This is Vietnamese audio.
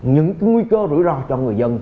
những cái nguy cơ rủi ro cho người dân